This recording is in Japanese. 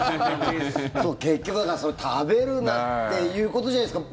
結局、だから食べるなっていうことじゃないですか。